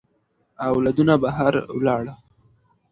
اولادونه بهر ولاړ.